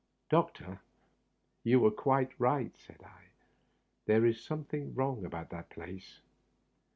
" Doctor, you were quite right," said I. " There is something wrong about that place."